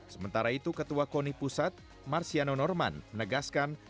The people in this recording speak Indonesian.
sementara itu ketua koni pusat marsiano norman menegaskan